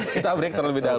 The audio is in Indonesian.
kita break terlebih dahulu